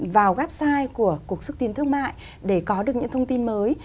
vào website của cục xúc tiến thương mại để có được những thông tin mới